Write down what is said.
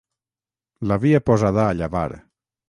L'havia posada a llavar.